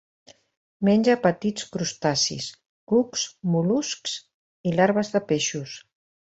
Menja petits crustacis, cucs, mol·luscs i larves de peixos.